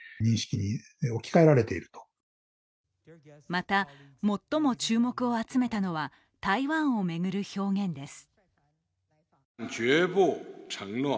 また、最も注目を集めたのは台湾を巡る表現です。